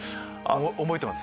覚えてます？